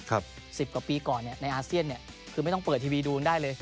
สิบกว่าปีก่อนเนี่ยในอาเซียนเนี่ยคือไม่ต้องเปิดทีวีดูกันได้เลย